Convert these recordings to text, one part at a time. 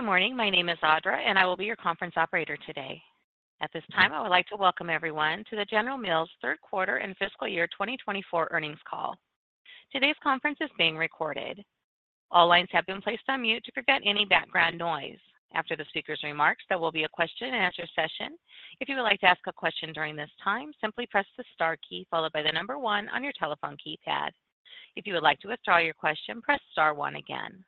Good morning. My name is Audra, and I will be your conference operator today. At this time, I would like to welcome everyone to the General Mills third quarter and fiscal year 2024 earnings call. Today's conference is being recorded. All lines have been placed on mute to prevent any background noise. After the speaker's remarks, there will be a question-and-answer session. If you would like to ask a question during this time, simply press the star key followed by the number one on your telephone keypad. If you would like to withdraw your question, press star one again.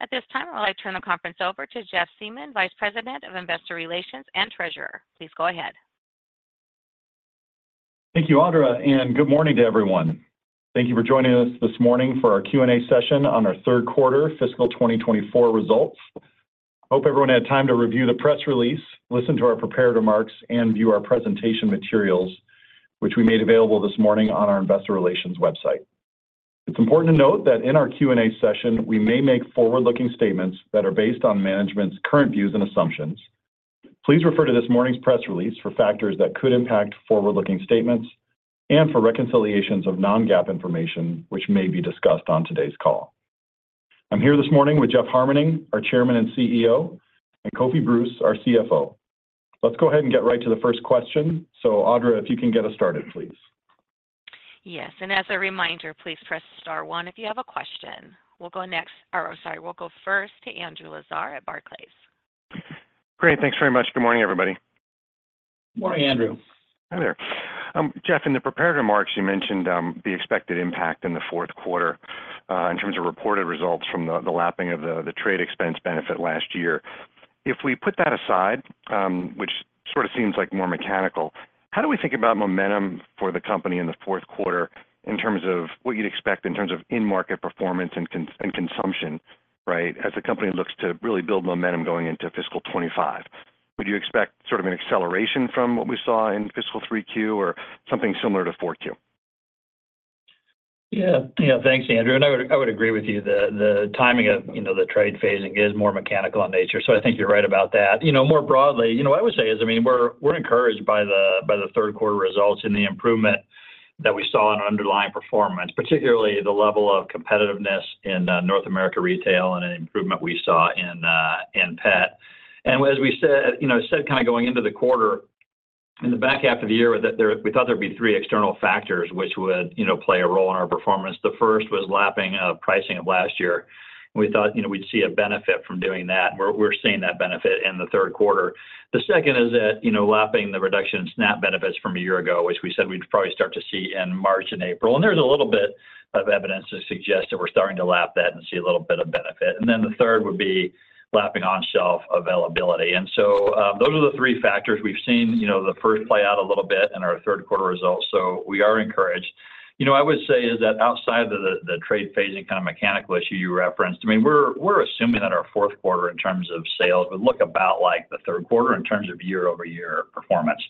At this time, I would like to turn the conference over to Jeff Siemon, Vice President of Investor Relations and Treasurer. Please go ahead. Thank you, Audra, and good morning to everyone. Thank you for joining us this morning for our Q&A session on our third quarter fiscal 2024 results. I hope everyone had time to review the press release, listen to our prepared remarks, and view our presentation materials, which we made available this morning on our Investor Relations website. It's important to note that in our Q&A session, we may make forward-looking statements that are based on management's current views and assumptions. Please refer to this morning's press release for factors that could impact forward-looking statements and for reconciliations of non-GAAP information, which may be discussed on today's call. I'm here this morning with Jeff Harmening, our Chairman and CEO, and Kofi Bruce, our CFO. Let's go ahead and get right to the first question. So, Audra, if you can get us started, please. Yes. As a reminder, please press star one if you have a question. We'll go next or, oh, sorry, we'll go first to Andrew Lazar at Barclays. Great. Thanks very much. Good morning, everybody. Good morning, Andrew. Hi there. Jeff, in the prepared remarks, you mentioned the expected impact in the fourth quarter in terms of reported results from the lapping of the trade expense benefit last year. If we put that aside, which sort of seems like more mechanical, how do we think about momentum for the company in the fourth quarter in terms of what you'd expect in terms of in-market performance and consumption, right, as the company looks to really build momentum going into fiscal 2025? Would you expect sort of an acceleration from what we saw in fiscal 3Q or something similar to 4Q? Yeah. Yeah. Thanks, Andrew. I would agree with you. The timing of the trade phasing is more mechanical in nature, so I think you're right about that. More broadly, what I would say is, I mean, we're encouraged by the third quarter results in the improvement that we saw in underlying performance, particularly the level of competitiveness in North America Retail and an improvement we saw in Pet. As we said kind of going into the quarter, in the back half of the year, we thought there'd be three external factors which would play a role in our performance. The first was lapping pricing of last year. We thought we'd see a benefit from doing that, and we're seeing that benefit in the third quarter. The second is lapping the reduction in SNAP benefits from a year ago, which we said we'd probably start to see in March and April. And there's a little bit of evidence to suggest that we're starting to lap that and see a little bit of benefit. And then the third would be lapping on-shelf availability. And so those are the three factors we've seen the first play out a little bit in our third quarter results, so we are encouraged. What I would say is that outside of the trade phasing kind of mechanical issue you referenced, I mean, we're assuming that our fourth quarter in terms of sales would look about like the third quarter in terms of year-over-year performance.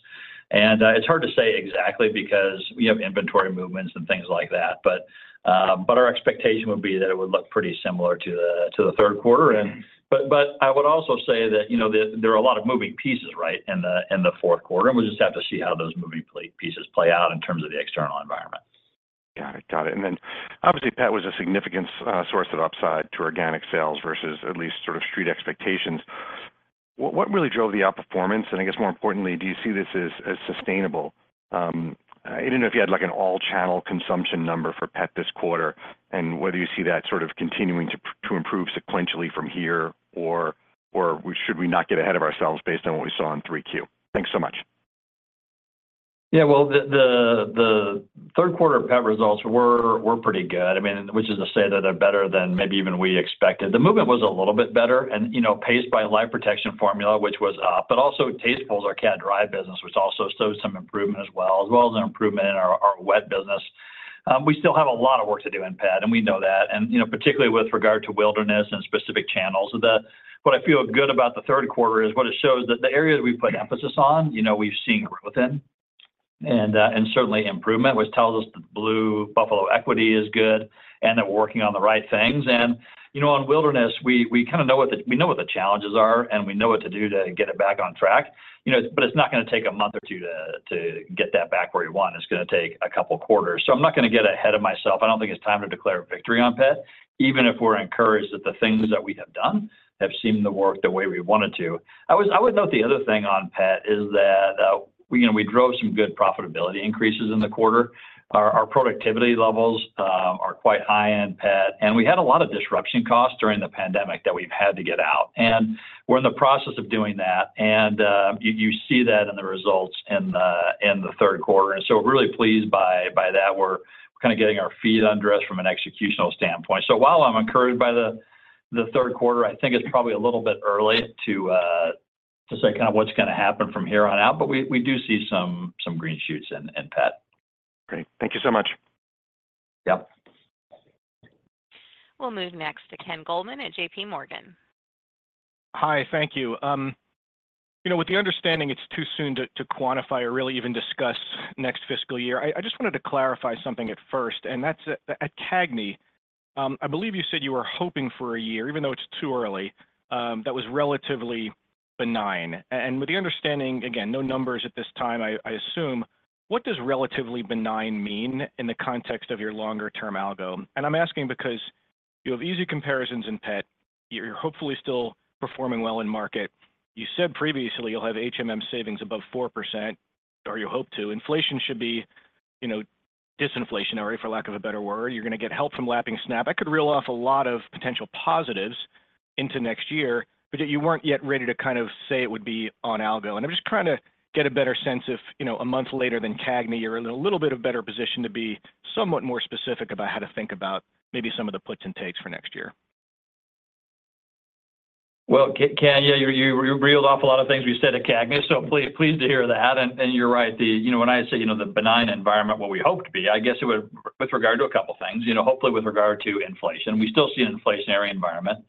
And it's hard to say exactly because we have inventory movements and things like that. But our expectation would be that it would look pretty similar to the third quarter. But I would also say that there are a lot of moving pieces, right, in the fourth quarter. And we'll just have to see how those moving pieces play out in terms of the external environment. Got it. Got it. And then obviously, PET was a significant source of upside to organic sales versus at least sort of street expectations. What really drove the outperformance? And I guess, more importantly, do you see this as sustainable? I didn't know if you had an all-channel consumption number for PET this quarter and whether you see that sort of continuing to improve sequentially from here or should we not get ahead of ourselves based on what we saw in 3Q. Thanks so much. Yeah. Well, the third quarter PET results were pretty good, I mean, which is to say that they're better than maybe even we expected. The movement was a little bit better and paced by a Life Protection Formula, which was up. But also, Tastefuls, our cat-driven business, which also showed some improvement as well, as well as an improvement in our wet business. We still have a lot of work to do in PET, and we know that, and particularly with regard to Wilderness and specific channels. What I feel good about the third quarter is what it shows that the areas we put emphasis on, we've seen growth in and certainly improvement, which tells us that Blue Buffalo equity is good and that we're working on the right things. On Wilderness, we kind of know what the challenges are, and we know what to do to get it back on track. But it's not going to take a month or two to get that back where you want. It's going to take a couple of quarters. So I'm not going to get ahead of myself. I don't think it's time to declare victory on PET, even if we're encouraged that the things that we have done have seemed to work the way we wanted to. I would note the other thing on PET is that we drove some good profitability increases in the quarter. Our productivity levels are quite high in PET, and we had a lot of disruption costs during the pandemic that we've had to get out. And we're in the process of doing that, and you see that in the results in the third quarter. And so we're really pleased by that. We're kind of getting our feet under us from an executional standpoint. So while I'm encouraged by the third quarter, I think it's probably a little bit early to say kind of what's going to happen from here on out. But we do see some green shoots in PET. Great. Thank you so much. Yep. We'll move next to Ken Goldman with JP Morgan. Hi. Thank you. With the understanding it's too soon to quantify or really even discuss next fiscal year, I just wanted to clarify something at first. At CAGNY, I believe you said you were hoping for a year, even though it's too early, that was relatively benign. With the understanding, again, no numbers at this time, I assume, what does relatively benign mean in the context of your longer-term algo? I'm asking because you have easy comparisons in PET. You're hopefully still performing well in market. You said previously you'll have savings above 4%, or you hope to. Inflation should be disinflationary, for lack of a better word. You're going to get help from lapping SNAP. That could reel off a lot of potential positives into next year, but yet you weren't yet ready to kind of say it would be on algo. I'm just trying to get a better sense if a month later than CAGNY, you're in a little bit of better position to be somewhat more specific about how to think about maybe some of the puts and takes for next year? Well, Ken, yeah, you reeled off a lot of things we said at CAGNY, so pleased to hear that. And you're right. When I say the benign environment, what we hoped to be, I guess it would with regard to a couple of things, hopefully with regard to inflation. We still see an inflationary environment.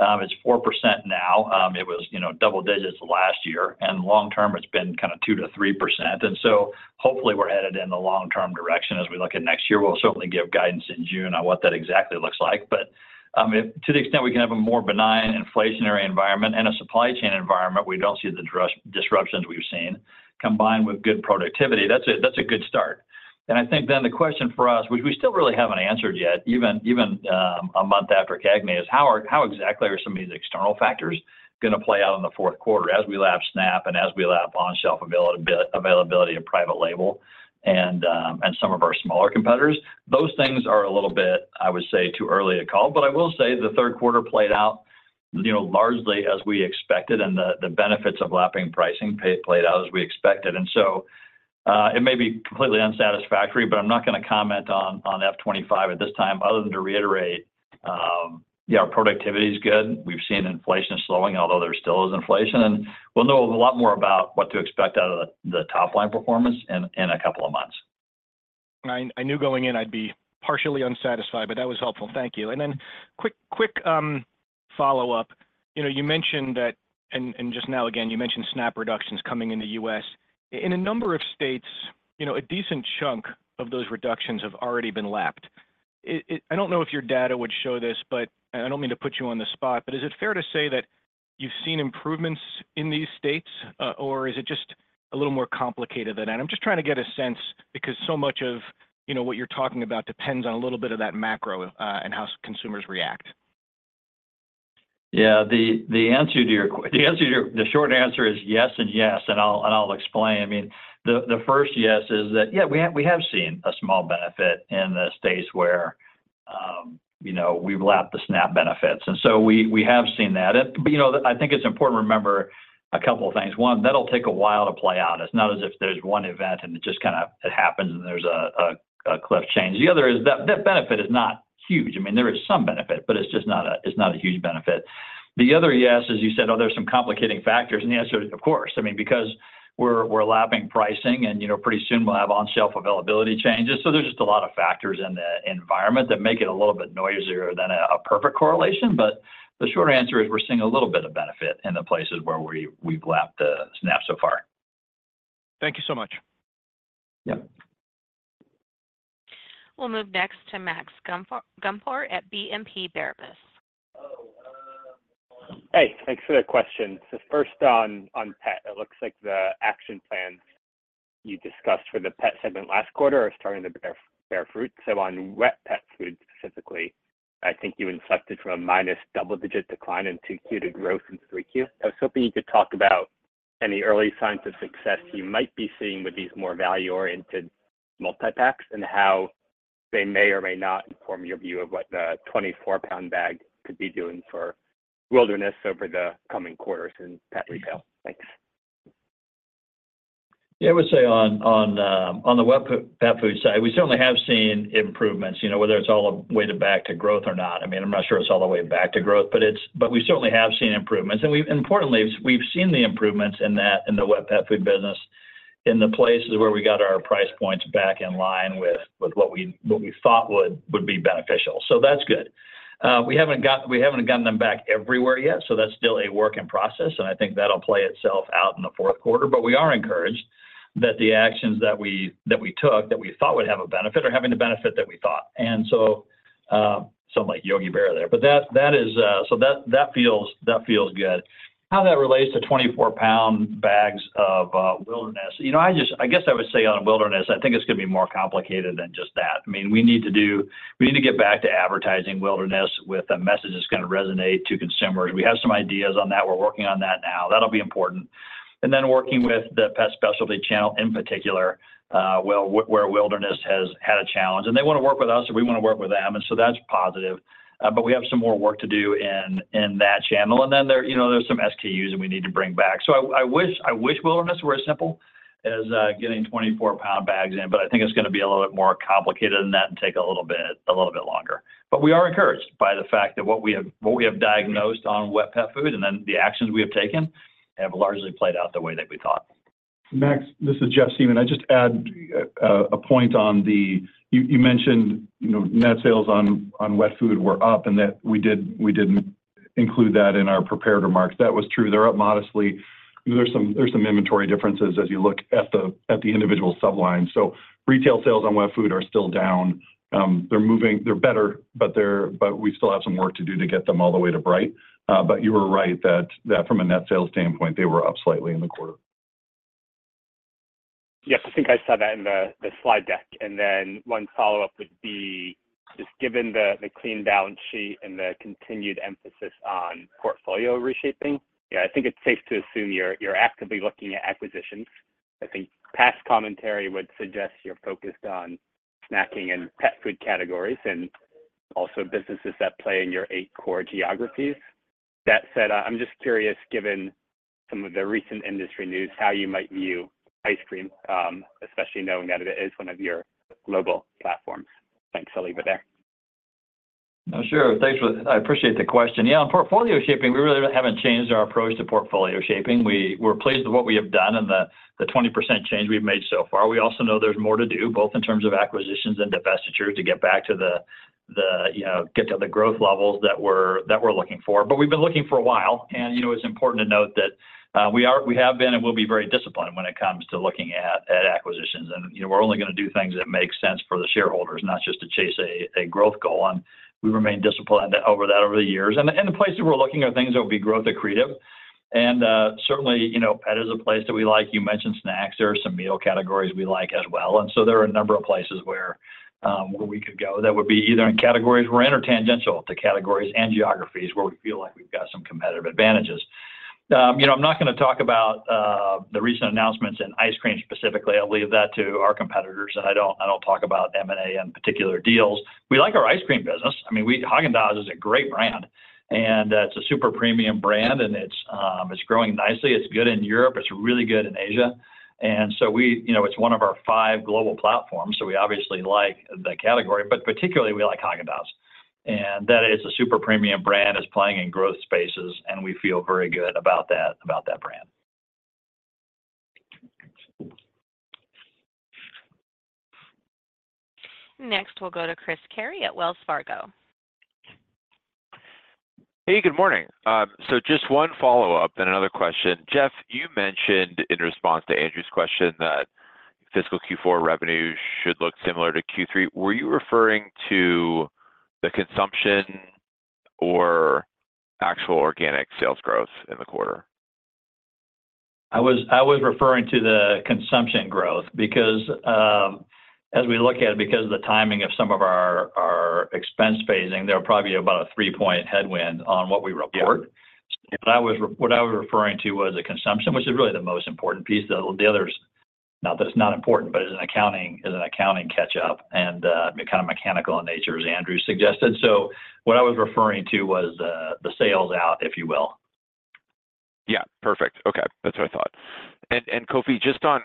It's 4% now. It was double digits last year. And long term, it's been kind of 2%-3%. And so hopefully, we're headed in the long-term direction as we look at next year. We'll certainly give guidance in June on what that exactly looks like. But to the extent we can have a more benign inflationary environment and a supply chain environment, we don't see the disruptions we've seen combined with good productivity, that's a good start. I think then the question for us, which we still really haven't answered yet, even a month after CAGNY, is how exactly are some of these external factors going to play out in the fourth quarter as we lap SNAP and as we lap on-shelf availability of private label and some of our smaller competitors? Those things are a little bit, I would say, too early to call. But I will say the third quarter played out largely as we expected, and the benefits of lapping pricing played out as we expected. And so it may be completely unsatisfactory, but I'm not going to comment on fiscal '25 at this time other than to reiterate our productivity is good. We've seen inflation slowing, although there still is inflation. And we'll know a lot more about what to expect out of the top-line performance in a couple of months. I knew going in I'd be partially unsatisfied, but that was helpful. Thank you. Then quick follow-up. You mentioned that and just now again, you mentioned SNAP reductions coming in the U.S. In a number of states, a decent chunk of those reductions have already been lapped. I don't know if your data would show this, but I don't mean to put you on the spot. Is it fair to say that you've seen improvements in these states, or is it just a little more complicated than that? I'm just trying to get a sense because so much of what you're talking about depends on a little bit of that macro and how consumers react. Yeah. The answer to your the short answer is yes and yes. And I'll explain. I mean, the first yes is that, yeah, we have seen a small benefit in the states where we've lapped the SNAP benefits. And so we have seen that. But I think it's important to remember a couple of things. One, that'll take a while to play out. It's not as if there's one event and it just kind of happens and there's a cliff change. The other is that benefit is not huge. I mean, there is some benefit, but it's just not a huge benefit. The other yes is you said, oh, there's some complicating factors. And the answer is, of course, I mean, because we're lapping pricing, and pretty soon, we'll have on-shelf availability changes. So there's just a lot of factors in the environment that make it a little bit noisier than a perfect correlation. But the short answer is we're seeing a little bit of benefit in the places where we've lapped the SNAP so far. Thank you so much. Yep. We'll move next to Max Gumport at BNP Paribas. Hey. Thanks for the question. So first on PET, it looks like the action plans you discussed for the PET segment last quarter are starting to bear fruit. So on wet pet food specifically, I think you inflected from a minus double-digit decline in 2Q to growth in 3Q. I was hoping you could talk about any early signs of success you might be seeing with these more value-oriented multi-packs and how they may or may not inform your view of what the 24-pound bag could be doing for Wilderness over the coming quarters in pet retail. Thanks. Yeah. I would say on the wet pet food side, we certainly have seen improvements, whether it's all the way back to growth or not. I mean, I'm not sure it's all the way back to growth, but we certainly have seen improvements. And importantly, we've seen the improvements in the wet pet food business in the places where we got our price points back in line with what we thought would be beneficial. So that's good. We haven't gotten them back everywhere yet, so that's still a work in progress. And I think that'll play itself out in the fourth quarter. But we are encouraged that the actions that we took that we thought would have a benefit are having the benefit that we thought. And so some like Yogi Berra there. But that is so that feels good. How that relates to 24-pound bags of Wilderness, I guess I would say on Wilderness, I think it's going to be more complicated than just that. I mean, we need to get back to advertising Wilderness with a message that's going to resonate to consumers. We have some ideas on that. We're working on that now. That'll be important. And then working with the pet specialty channel in particular where Wilderness has had a challenge. And they want to work with us, and we want to work with them. And so that's positive. But we have some more work to do in that channel. And then there's some SKUs that we need to bring back. So I wish Wilderness were as simple as getting 24-pound bags in, but I think it's going to be a little bit more complicated than that and take a little bit longer. But we are encouraged by the fact that what we have diagnosed on wet pet food and then the actions we have taken have largely played out the way that we thought. Max, this is Jeff Siemon. I'd just add a point on the net sales on wet food you mentioned were up and that we didn't include that in our prepared remarks. That was true. They're up modestly. There's some inventory differences as you look at the individual sublines. So retail sales on wet food are still down. They're better, but we still have some work to do to get them all the way to right. But you were right that from a net sales standpoint, they were up slightly in the quarter. Yes. I think I saw that in the slide deck. And then one follow-up would be just given the clean balance sheet and the continued emphasis on portfolio reshaping, yeah, I think it's safe to assume you're actively looking at acquisitions. I think past commentary would suggest you're focused on snacking and pet food categories and also businesses that play in your eight core geographies. That said, I'm just curious, given some of the recent industry news, how you might view ice cream, especially knowing that it is one of your global platforms. Thanks. I'll leave it there. Sure. I appreciate the question. Yeah. On portfolio shaping, we really haven't changed our approach to portfolio shaping. We're pleased with what we have done and the 20% change we've made so far. We also know there's more to do, both in terms of acquisitions and divestitures, to get back to the growth levels that we're looking for. But we've been looking for a while. And it's important to note that we have been and will be very disciplined when it comes to looking at acquisitions. And we're only going to do things that make sense for the shareholders, not just to chase a growth goal. And we remain disciplined over the years. And the places we're looking are things that would be growth accretive. And certainly, PET is a place that we like. You mentioned snacks. There are some meal categories we like as well. And so there are a number of places where we could go that would be either in categories we're in or tangential to categories and geographies where we feel like we've got some competitive advantages. I'm not going to talk about the recent announcements in ice cream specifically. I'll leave that to our competitors. And I don't talk about M&A and particular deals. We like our ice cream business. I mean, Häagen-Dazs is a great brand. And it's a super premium brand, and it's growing nicely. It's good in Europe. It's really good in Asia. And so it's one of our five global platforms. So we obviously like that category. But particularly, we like Häagen-Dazs. And that it's a super premium brand is playing in growth spaces, and we feel very good about that brand. Next, we'll go to Chris Carey at Wells Fargo. Hey. Good morning. Just one follow-up and another question. Jeff, you mentioned in response to Andrew's question that fiscal Q4 revenue should look similar to Q3. Were you referring to the consumption or actual organic sales growth in the quarter? I was referring to the consumption growth because as we look at it, because of the timing of some of our expense phasing, there'll probably be about a three-point headwind on what we report. What I was referring to was the consumption, which is really the most important piece. The others, not that it's not important, but it's an accounting catch-up and kind of mechanical in nature, as Andrew suggested. So what I was referring to was the sales out, if you will. Yeah. Perfect. Okay. That's what I thought. Kofi, just on,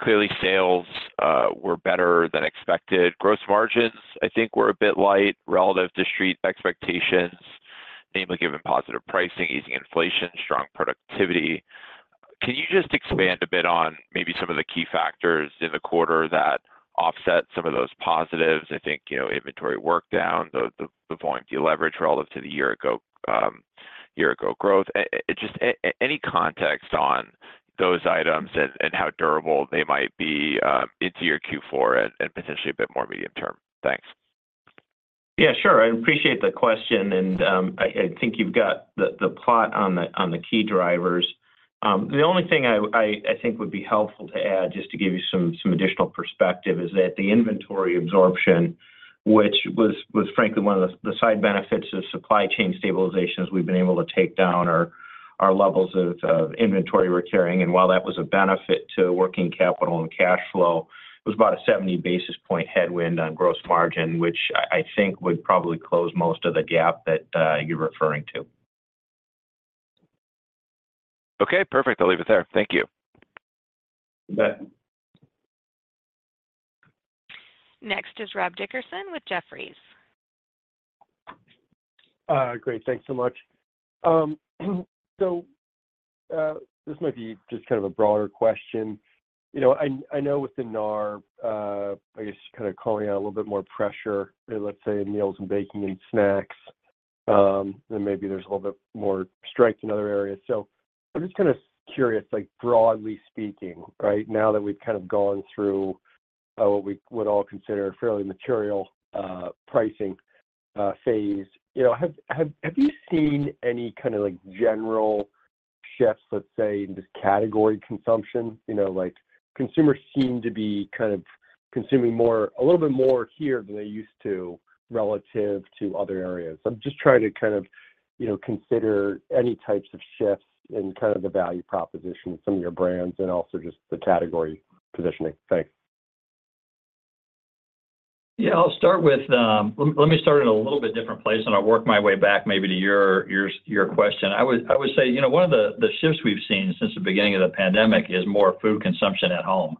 clearly, sales were better than expected. Gross margins, I think, were a bit light relative to street expectations, namely given positive pricing, easing inflation, strong productivity. Can you just expand a bit on maybe some of the key factors in the quarter that offset some of those positives? I think inventory workdown, the volume deleverage relative to the year-ago growth. Just any context on those items and how durable they might be into your Q4 and potentially a bit more medium term. Thanks. Yeah. Sure. I appreciate the question. And I think you've got the plot on the key drivers. The only thing I think would be helpful to add just to give you some additional perspective is that the inventory absorption, which was frankly one of the side benefits of supply chain stabilizations we've been able to take down our levels of inventory we're carrying. And while that was a benefit to working capital and cash flow, it was about a 70 basis point headwind on gross margin, which I think would probably close most of the gap that you're referring to. Okay. Perfect. I'll leave it there. Thank you. You bet. Next is Rob Dickerson with Jefferies. Great. Thanks so much. So this might be just kind of a broader question. I know with the NAR, I guess, kind of calling out a little bit more pressure, let's say, in meals and baking and snacks, then maybe there's a little bit more strength in other areas. So I'm just kind of curious, broadly speaking, right, now that we've kind of gone through what we would all consider a fairly material pricing phase, have you seen any kind of general shifts, let's say, in just category consumption? Consumers seem to be kind of consuming a little bit more here than they used to relative to other areas. I'm just trying to kind of consider any types of shifts in kind of the value proposition of some of your brands and also just the category positioning. Thanks. Yeah. I'll start in a little bit different place, and I'll work my way back, maybe to your question. I would say one of the shifts we've seen since the beginning of the pandemic is more food consumption at home.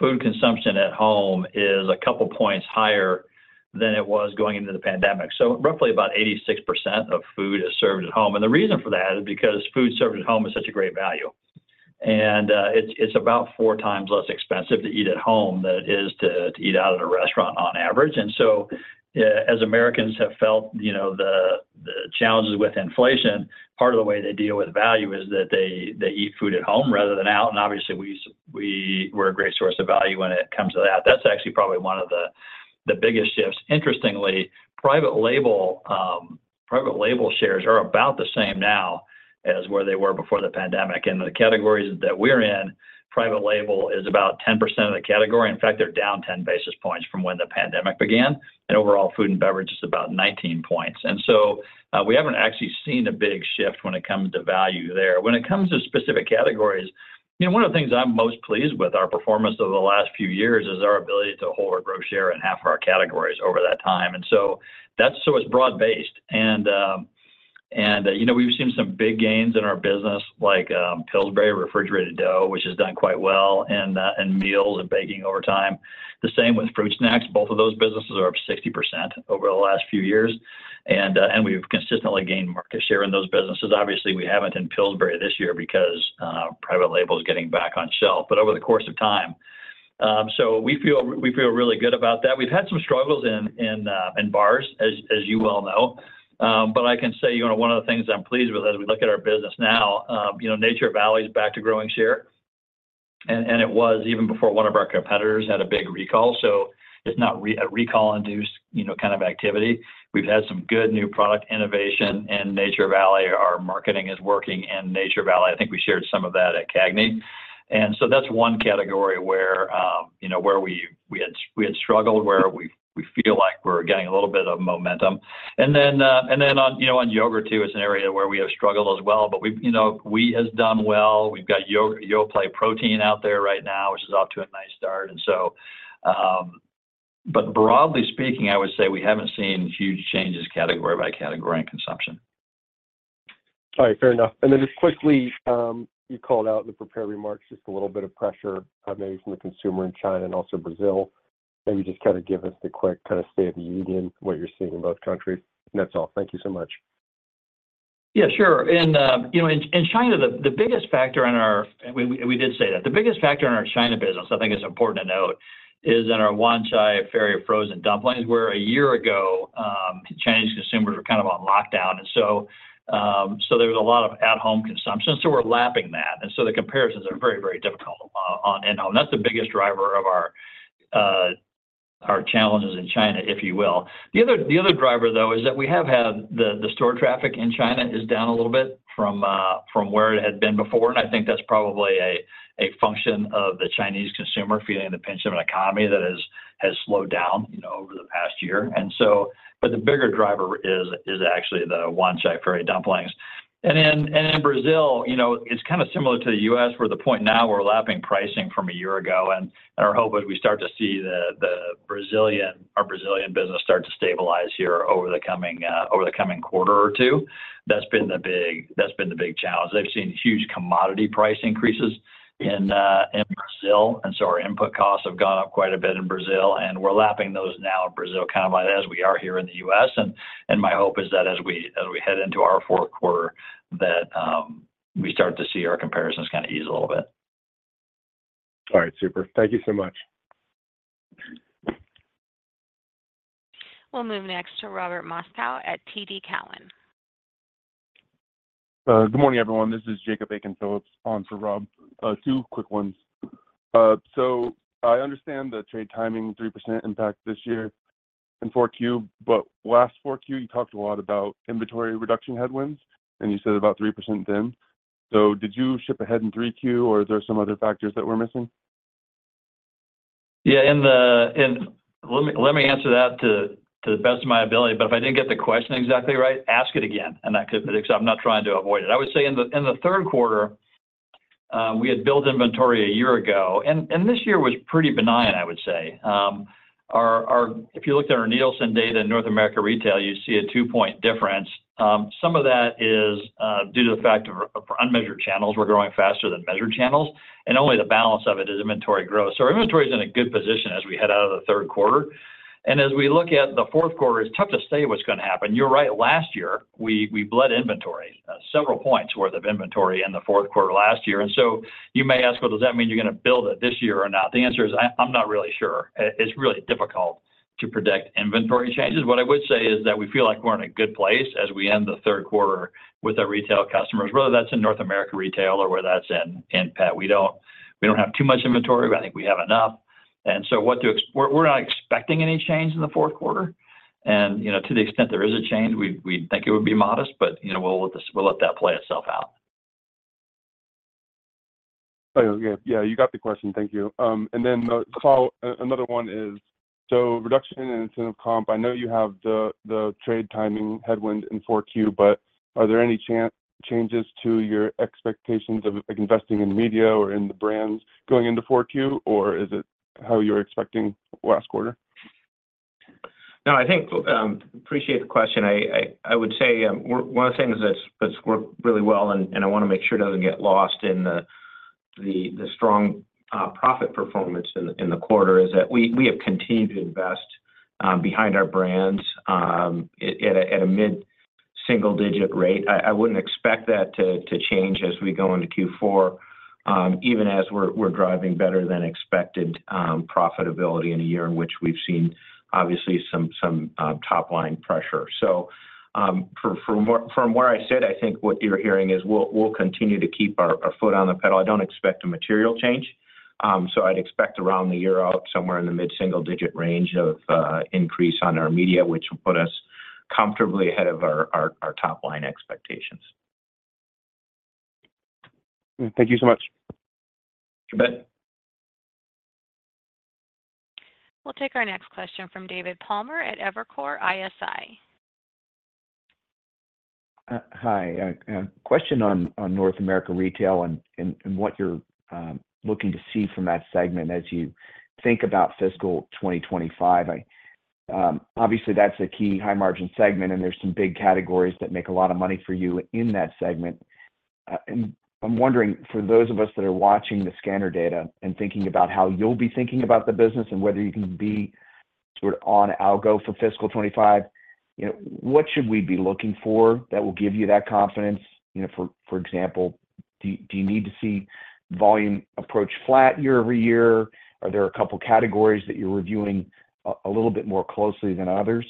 Food consumption at home is a couple of points higher than it was going into the pandemic. Roughly about 86% of food is served at home. The reason for that is because food served at home is such a great value. It's about four times less expensive to eat at home than it is to eat out at a restaurant on average. As Americans have felt the challenges with inflation, part of the way they deal with value is that they eat food at home rather than out. Obviously, we're a great source of value when it comes to that. That's actually probably one of the biggest shifts. Interestingly, private label shares are about the same now as where they were before the pandemic. In the categories that we're in, private label is about 10% of the category. In fact, they're down 10 basis points from when the pandemic began. Overall, food and beverage is about 19 points. So we haven't actually seen a big shift when it comes to value there. When it comes to specific categories, one of the things I'm most pleased with, our performance over the last few years, is our ability to hold our gross share in half of our categories over that time. So it's broad-based. We've seen some big gains in our business, like Pillsbury refrigerated dough, which has done quite well, and meals and baking over time. The same with fruit snacks. Both of those businesses are up 60% over the last few years. We've consistently gained market share in those businesses. Obviously, we haven't in Pillsbury this year because private label is getting back on shelf, but over the course of time. We feel really good about that. We've had some struggles in bars, as you well know. I can say one of the things I'm pleased with, as we look at our business now, Nature Valley is back to growing share. It was even before one of our competitors had a big recall. It's not a recall-induced kind of activity. We've had some good new product innovation in Nature Valley. Our marketing is working in Nature Valley. I think we shared some of that at CAGNY. And so that's one category where we had struggled, where we feel like we're getting a little bit of momentum. And then on Yoghurt, too, it's an area where we have struggled as well. But we have done well. We've got Yoplait Protein out there right now, which is off to a nice start. But broadly speaking, I would say we haven't seen huge changes category by category in consumption. All right. Fair enough. And then just quickly, you called out in the prepared remarks just a little bit of pressure maybe from the consumer in China and also Brazil. Maybe just kind of give us the quick kind of state of the union, what you're seeing in both countries. And that's all. Thank you so much. Yeah. Sure. And in China, the biggest factor in our China business, I think it's important to note, is in our Wanchai Ferry of frozen dumplings, where a year ago, Chinese consumers were kind of on lockdown. And so there was a lot of at-home consumption. So we're lapping that. And so the comparisons are very, very difficult in-home. That's the biggest driver of our challenges in China, if you will. The other driver, though, is that we have had the store traffic in China is down a little bit from where it had been before. And I think that's probably a function of the Chinese consumer feeling the pinch of an economy that has slowed down over the past year. But the bigger driver is actually the Wanchai Ferry dumplings. In Brazil, it's kind of similar to the US, where the point now we're lapping pricing from a year ago. Our hope is we start to see our Brazilian business start to stabilize here over the coming quarter or two. That's been the big challenge. They've seen huge commodity price increases in Brazil. So our input costs have gone up quite a bit in Brazil. We're lapping those now in Brazil kind of as we are here in the U.S. My hope is that as we head into our fourth quarter, that we start to see our comparisons kind of ease a little bit. All right. Super. Thank you so much. We'll move next to Robert Moskow at TD Cowen. Good morning, everyone. This is Jacob Aiken-Phillips on for Rob. Two quick ones. So I understand the trade timing, 3% impact this year in 4Q. But last 4Q, you talked a lot about inventory reduction headwinds, and you said about 3% then. So did you ship ahead in 3Q, or are there some other factors that we're missing? Yeah. And let me answer that to the best of my ability. But if I didn't get the question exactly right, ask it again. And I'm not trying to avoid it. I would say in the third quarter, we had built inventory a year ago. And this year was pretty benign, I would say. If you looked at our Nielsen data in North America Retail, you see a two-point difference. Some of that is due to the fact that for unmeasured channels, we're growing faster than measured channels. And only the balance of it is inventory growth. So our inventory is in a good position as we head out of the third quarter. And as we look at the fourth quarter, it's tough to say what's going to happen. You're right. Last year, we bled inventory, several points' worth of inventory in the fourth quarter last year. And so you may ask, "Well, does that mean you're going to build it this year or not?" The answer is, "I'm not really sure." It's really difficult to predict inventory changes. What I would say is that we feel like we're in a good place as we end the third quarter with our retail customers, whether that's in North America Retail or whether that's in PET. We don't have too much inventory, but I think we have enough. And so we're not expecting any change in the fourth quarter. And to the extent there is a change, we'd think it would be modest. But we'll let that play itself out. Yeah. Yeah. You got the question. Thank you. And then another one is so reduction in incentive comp. I know you have the trade timing headwind in 4Q, but are there any changes to your expectations of investing in media or in the brands going into 4Q, or is it how you're expecting last quarter? No. I appreciate the question. I would say one of the things that's worked really well, and I want to make sure it doesn't get lost in the strong profit performance in the quarter, is that we have continued to invest behind our brands at a mid-single-digit rate. I wouldn't expect that to change as we go into Q4, even as we're driving better than expected profitability in a year in which we've seen, obviously, some top-line pressure. So from where I sit, I think what you're hearing is we'll continue to keep our foot on the pedal. I don't expect a material change. So I'd expect around the year out, somewhere in the mid-single-digit range of increase on our media, which will put us comfortably ahead of our top-line expectations. Thank you so much. You bet. We'll take our next question from David Palmer at Evercore ISI. Hi. A question on North America Retail and what you're looking to see from that segment as you think about Fiscal 2025. Obviously, that's a key high-margin segment, and there's some big categories that make a lot of money for you in that segment. And I'm wondering, for those of us that are watching the scanner data and thinking about how you'll be thinking about the business and whether you can be sort of on Algo for Fiscal 2025, what should we be looking for that will give you that confidence? For example, do you need to see volume approach flat year-over-year? Are there a couple of categories that you're reviewing a little bit more closely than others?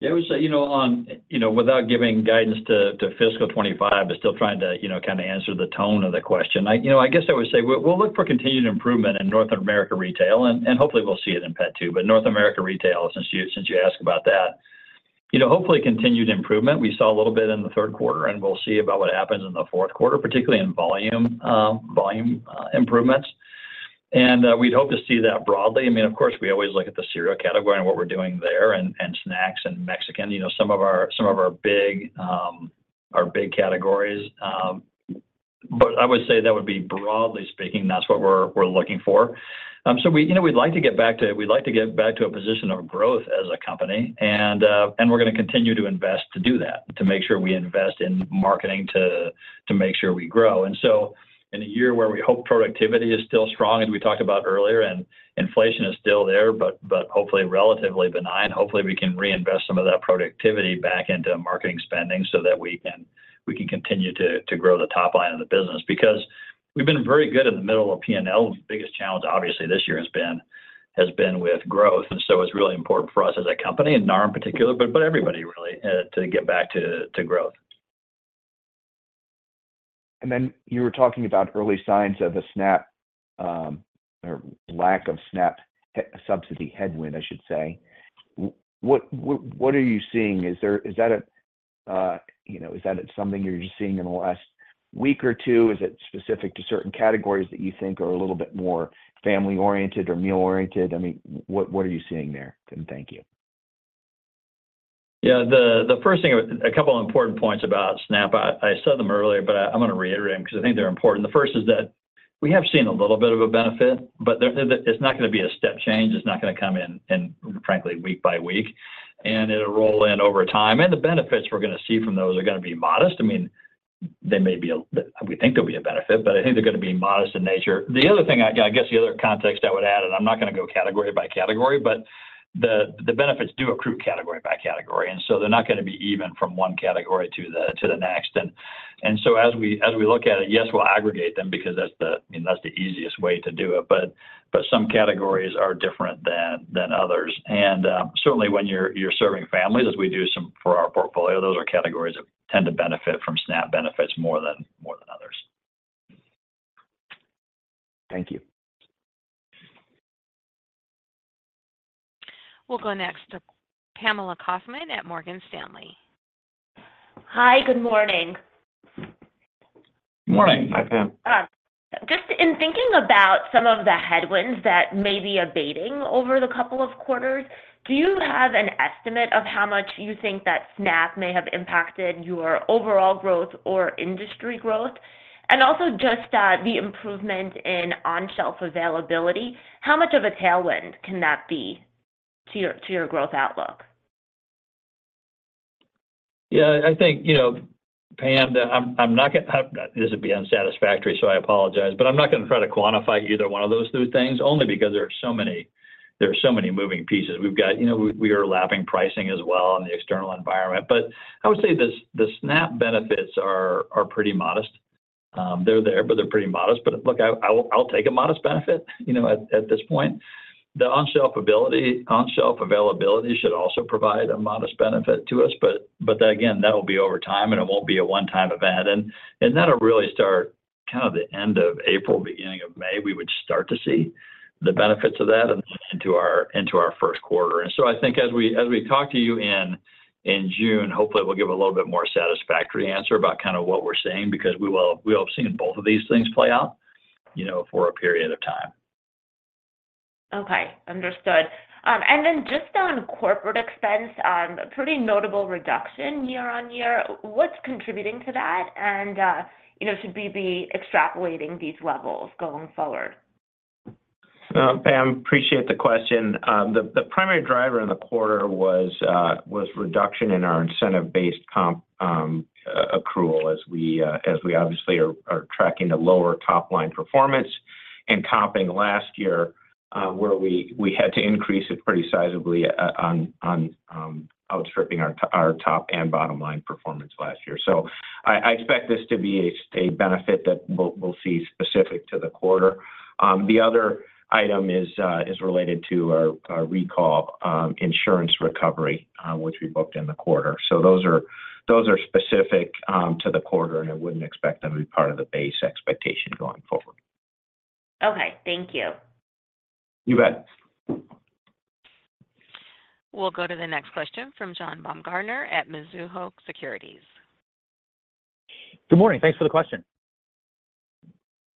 Yeah. I would say without giving guidance to fiscal 2025, but still trying to kind of answer the tone of the question, I guess I would say we'll look for continued improvement in North America Retail. And hopefully, we'll see it in PET, too. But North America Retail, since you asked about that, hopefully, continued improvement. We saw a little bit in the third quarter, and we'll see about what happens in the fourth quarter, particularly in volume improvements. And we'd hope to see that broadly. I mean, of course, we always look at the cereal category and what we're doing there and snacks and Mexican, some of our big categories. But I would say that would be, broadly speaking, that's what we're looking for. So we'd like to get back to we'd like to get back to a position of growth as a company. And we're going to continue to invest to do that, to make sure we invest in marketing to make sure we grow. And so in a year where we hope productivity is still strong, as we talked about earlier, and inflation is still there, but hopefully relatively benign, hopefully, we can reinvest some of that productivity back into marketing spending so that we can continue to grow the top line of the business. Because we've been very good in the middle of P&L. The biggest challenge, obviously, this year has been with growth. And so it's really important for us as a company and NAR in particular, but everybody, really, to get back to growth. Then you were talking about early signs of a SNAP or lack of SNAP subsidy headwind, I should say. What are you seeing? Is that something you're just seeing in the last week or two? Is it specific to certain categories that you think are a little bit more family-oriented or meal-oriented? I mean, what are you seeing there? And thank you. Yeah. The first thing, a couple of important points about SNAP. I said them earlier, but I'm going to reiterate them because I think they're important. The first is that we have seen a little bit of a benefit, but it's not going to be a step change. It's not going to come in, frankly, week by week. And it'll roll in over time. And the benefits we're going to see from those are going to be modest. I mean, they may be we think they'll be a benefit, but I think they're going to be modest in nature. The other thing, I guess the other context I would add, and I'm not going to go category by category, but the benefits do accrue category by category. And so they're not going to be even from one category to the next. As we look at it, yes, we'll aggregate them because that's the easiest way to do it. But some categories are different than others. Certainly, when you're serving families, as we do for our portfolio, those are categories that tend to benefit from SNAP benefits more than others. Thank you. We'll go next to Pamela Kaufman at Morgan Stanley. Hi. Good morning. Good morning. Hi, Pam. Just in thinking about some of the headwinds that may be abating over the couple of quarters, do you have an estimate of how much you think that SNAP may have impacted your overall growth or industry growth? And also just the improvement in on-shelf availability, how much of a tailwind can that be to your growth outlook? Yeah. I think, Pam, I'm not going to. This would be unsatisfactory, so I apologize. But I'm not going to try to quantify either one of those two things only because there are so many moving pieces. We are lapping pricing as well in the external environment. But I would say the SNAP benefits are pretty modest. They're there, but they're pretty modest. But look, I'll take a modest benefit at this point. The on-shelf availability should also provide a modest benefit to us. But again, that'll be over time, and it won't be a one-time event. And that'll really start kind of the end of April, beginning of May, we would start to see the benefits of that into our first quarter. And so I think as we talk to you in June, hopefully, we'll give a little bit more satisfactory answer about kind of what we're saying because we'll have seen both of these things play out for a period of time. Okay. Understood. And then just on corporate expense, a pretty notable reduction year-over-year. What's contributing to that? And should we be extrapolating these levels going forward? Pam, appreciate the question. The primary driver in the quarter was reduction in our incentive-based comp accrual as we obviously are tracking a lower top-line performance and comping last year, where we had to increase it pretty sizably on outstripping our top and bottom-line performance last year. So I expect this to be a benefit that we'll see specific to the quarter. The other item is related to our recall insurance recovery, which we booked in the quarter. So those are specific to the quarter, and I wouldn't expect them to be part of the base expectation going forward. Okay. Thank you. You bet. We'll go to the next question from John Baumgartner at Mizuho Securities. Good morning. Thanks for the question.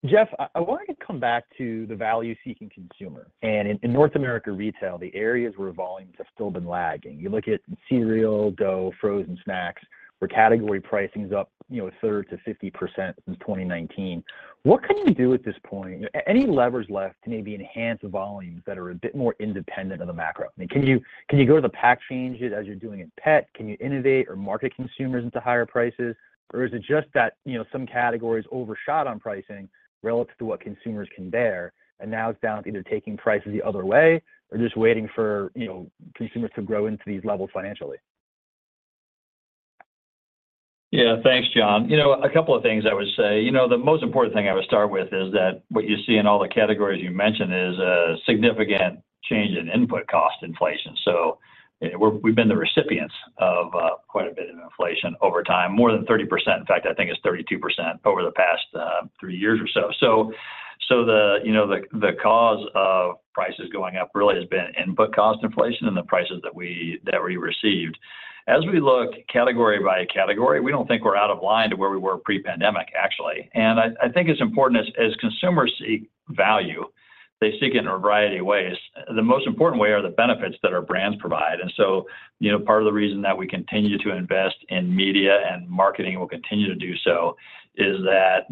Jeff, I wanted to come back to the value-seeking consumer. In North America Retail, the areas where volume has still been lagging. You look at cereal, dough, frozen snacks, where category pricing is up a third to 50% since 2019. What can you do at this point? Any levers left to maybe enhance volumes that are a bit more independent of the macro? I mean, can you go to the pack change it as you're doing in PET? Can you innovate or market consumers into higher prices? Or is it just that some categories overshot on pricing relative to what consumers can bear? Now it's down to either taking prices the other way or just waiting for consumers to grow into these levels financially? Yeah. Thanks, Jon. A couple of things I would say. The most important thing I would start with is that what you see in all the categories you mentioned is a significant change in input cost inflation. So we've been the recipients of quite a bit of inflation over time, more than 30%. In fact, I think it's 32% over the past three years or so. So the cause of prices going up really has been input cost inflation and the prices that we received. As we look category by category, we don't think we're out of line to where we were pre-pandemic, actually. And I think it's important, as consumers seek value, they seek it in a variety of ways. The most important way are the benefits that our brands provide. And so part of the reason that we continue to invest in media and marketing and will continue to do so is that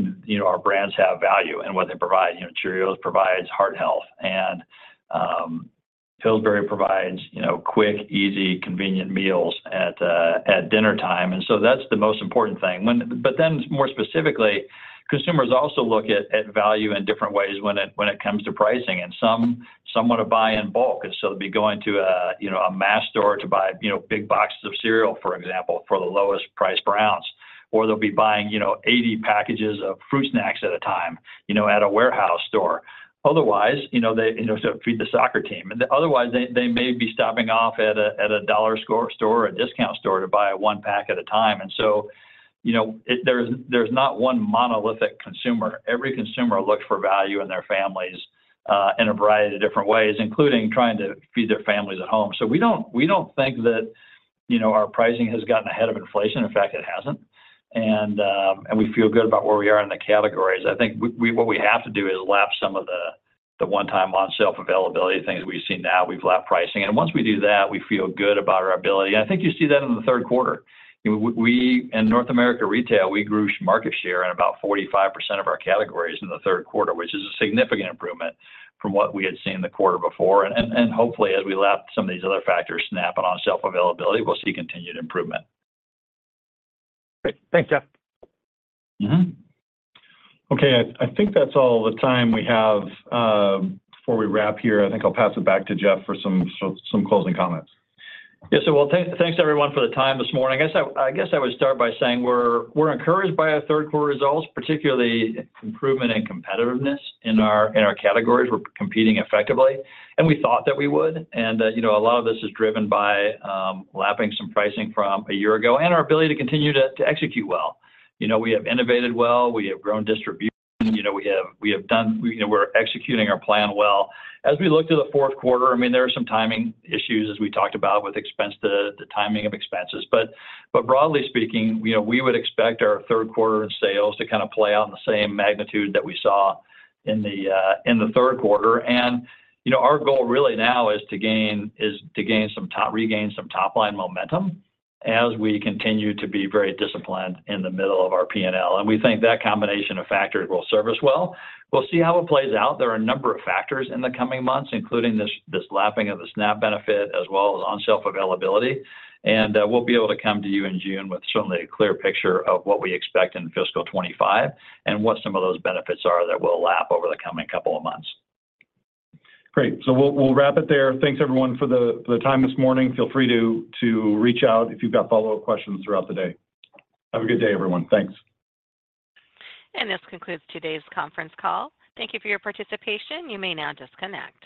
our brands have value in what they provide. Cheerios provides heart health. And Pillsbury provides quick, easy, convenient meals at dinner time. And so that's the most important thing. But then more specifically, consumers also look at value in different ways when it comes to pricing. And some want to buy in bulk. And so they'll be going to a mass store to buy big boxes of cereal, for example, for the lowest-priced rounds. Or they'll be buying 80 packages of fruit snacks at a time at a warehouse store. Otherwise, they'll feed the soccer team. And otherwise, they may be stopping off at a dollar store or a discount store to buy one pack at a time. And so there's not one monolithic consumer. Every consumer looks for value in their families in a variety of different ways, including trying to feed their families at home. So we don't think that our pricing has gotten ahead of inflation. In fact, it hasn't. And we feel good about where we are in the categories. I think what we have to do is lap some of the one-time on-shelf availability things we've seen now. We've lapped pricing. And once we do that, we feel good about our ability. And I think you see that in the third quarter. In North America Retail, we grew market share in about 45% of our categories in the third quarter, which is a significant improvement from what we had seen the quarter before. And hopefully, as we lap some of these other factors, SNAP and on-shelf availability, we'll see continued improvement. Great. Thanks, Jeff. Okay. I think that's all the time we have before we wrap here. I think I'll pass it back to Jeff for some closing comments. Yeah. So well, thanks, everyone, for the time this morning. I guess I would start by saying we're encouraged by our third-quarter results, particularly improvement in competitiveness in our categories. We're competing effectively. And we thought that we would. And a lot of this is driven by lapping some pricing from a year ago and our ability to continue to execute well. We have innovated well. We have grown distribution. We have done. We're executing our plan well. As we look to the fourth quarter, I mean, there are some timing issues, as we talked about, with the timing of expenses. But broadly speaking, we would expect our third quarter in sales to kind of play out in the same magnitude that we saw in the third quarter. Our goal, really, now is to regain some top-line momentum as we continue to be very disciplined in the middle of our P&L. And we think that combination of factors will serve us well. We'll see how it plays out. There are a number of factors in the coming months, including this lapping of the SNAP benefit as well as on-shelf availability. And we'll be able to come to you in June with certainly a clear picture of what we expect in fiscal 2025 and what some of those benefits are that will lap over the coming couple of months. Great. So we'll wrap it there. Thanks, everyone, for the time this morning. Feel free to reach out if you've got follow-up questions throughout the day. Have a good day, everyone. Thanks. This concludes today's conference call. Thank you for your participation. You may now disconnect.